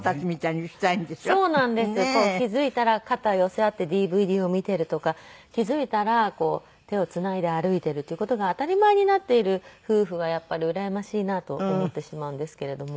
気付いたら肩を寄せ合ってＤＶＤを見ているとか気付いたら手をつないで歩いているっていう事が当たり前になっている夫婦はやっぱりうらやましいなと思ってしまうんですけれども。